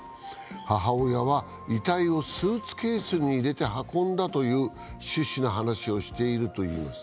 母親は、遺体をスーツケースに入れて運んだという趣旨の話をしているといいます。